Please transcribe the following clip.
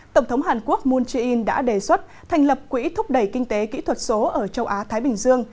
tổng thống hàn quốc moon jae in đã đề xuất thành lập quỹ thúc đẩy kinh tế kỹ thuật số ở châu á thái bình dương